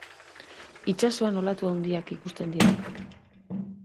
Itsasoan olatu haundiak ikusten dira.